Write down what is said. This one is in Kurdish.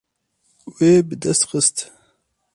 Wê bi dest xist.